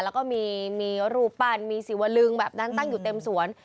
แล้วก็มีรูปปั้นมีสิวลึงแบบนั้นตั้งอยู่เต็มสวน